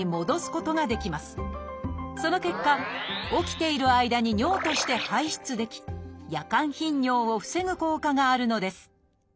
その結果起きている間に尿として排出でき夜間頻尿を防ぐ効果があるのです。